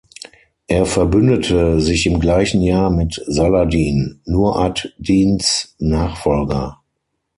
Er verbündete sich im gleichen Jahr mit Saladin, Nur ad-Dins Nachfolger.